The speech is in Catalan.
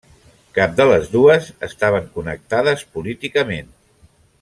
Cap de les dues estaven connectades políticament.